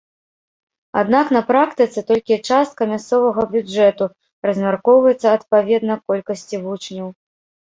Аднак на практыцы толькі частка мясцовага бюджэту размяркоўваецца адпаведна колькасці вучняў.